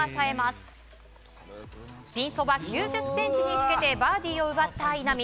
今度はピンそば９０ｃｍにつけてバーディーを奪った稲見。